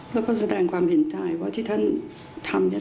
แล้วก็แสดงความเห็นใจว่าที่ท่านทำเนี่ย